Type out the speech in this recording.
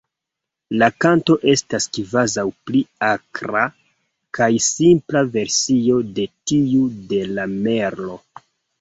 La kanto estas kvazaŭ pli akra kaj simpla versio de tiu de la Merlo.